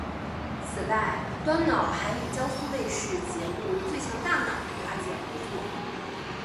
此外端脑还与江苏卫视节目最强大脑跨界合作。